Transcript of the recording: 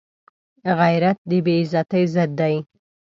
غیرت د بې عزتۍ ضد دی